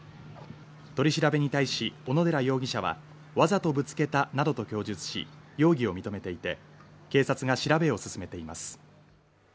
取り調べに対し小野寺容疑者は、わざとぶつけたなどと供述し、容疑を認めていて警察が調べを進めています。